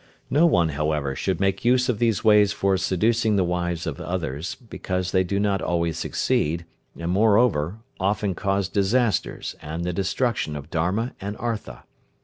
No one, however, should make use of these ways for seducing the wives of others, because they do not always succeed, and, moreover, often cause disasters, and the destruction of Dharma and Artha.